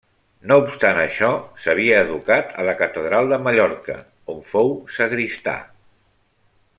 No obstant això, s'havia educat a la catedral de Mallorca, on fou sagristà.